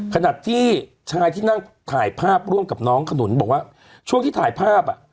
ขณะที่ชายที่นั่งถ่ายภาพร่วมกับน้องขนุนบอกว่าช่วงที่ถ่ายภาพอ่ะ